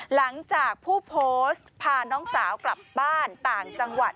หลังจากผู้โพสต์พาน้องสาวกลับบ้านต่างจังหวัด